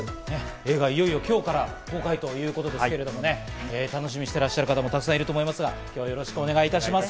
映画がいよいよ今日から公開ということですけどね、楽しみにしてらっしゃる方もたくさんいると思いますが、今日はよろしくお願いします。